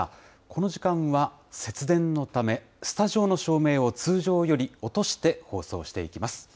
この時間は節電のため、スタジオの照明を通常より落として、放送していきます。